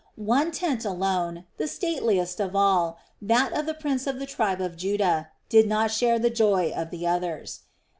One tent alone, the stateliest of all, that of the prince of the tribe of Judah, did not share the joy of the others.